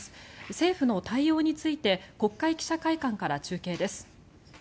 政府の対応について国会記者会館から中継です。